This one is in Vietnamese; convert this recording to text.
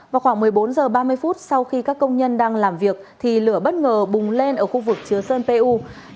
vào khoảng một mươi bốn h ba mươi phút sau khi các công nhân đang làm việc thì lửa bất ngờ bùng lên ở khu vực chứa sơn pu